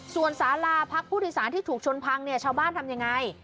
ส่วนสาราพักผู้โดยสารที่ถูกชนพังเนี่ยชาวบ้านทำยังไง